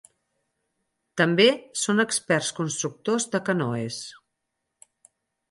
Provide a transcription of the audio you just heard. També són experts constructors de canoes.